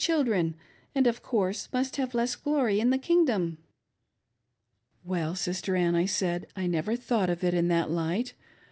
48 fbildren, and, of course, must have less glory in the King dom." " Well, Sifter Ann," I said, " I never thought of it in that light.